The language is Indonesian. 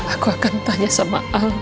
aku akan tanya sama aku